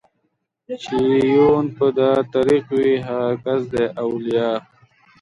چې يې يون په دا طريق وي هغه کس دئ اوليا